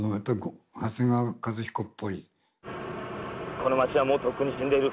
この街はもうとっくに死んでる。